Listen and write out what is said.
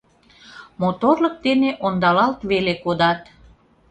Моторлык дене ондалалт веле кодат.